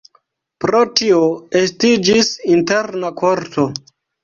Pro tio estiĝis interna korto.